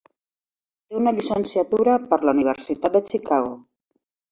Té una llicenciatura per la Universitat de Chicago.